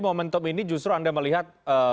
momentum ini justru anda melihat